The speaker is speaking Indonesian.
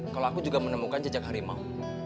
kalau aku juga menemukan jejak harimau